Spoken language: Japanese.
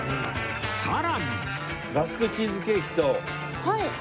さらに